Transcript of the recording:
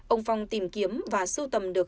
ông phong tìm kiếm và sưu tầm được